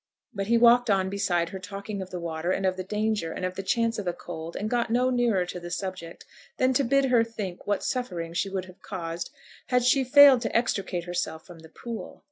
But he walked on beside her talking of the water, and of the danger, and of the chance of a cold, and got no nearer to the subject than to bid her think what suffering she would have caused had she failed to extricate herself from the pool.